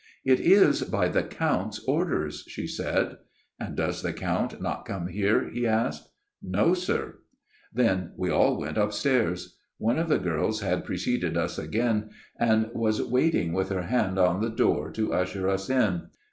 ' It is by the Count's orders/ she said. "' And does the Count not come here ?' he asked. "' No, sir/ " Then we all went upstairs. One of the girls had preceded us again and was waiting with her hand on the door to usher us in.